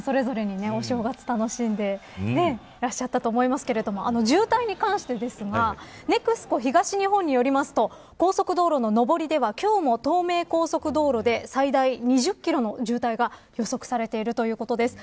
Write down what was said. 皆さんそれぞれに、お正月を楽しんでいらっしゃったと思いますけれど渋滞に関してですがＮＥＸＣＯ東日本によりますと高速道路の上りでは今日も東名高速道路で最大２０キロの渋滞が予測されているということです。